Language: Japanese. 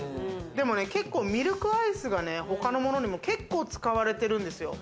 ミルクアイスがね、他のものにも結構使われてるんですよ。